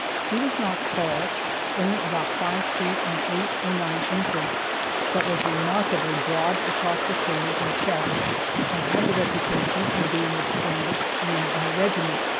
He was not tall, only about five feet and eight or nine inches, but was remarkably broad across the shoulders and chest, and had the reputation of being the strongest man in the regiment.